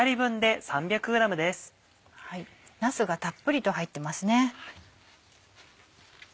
なすがたっぷりと入ってますね。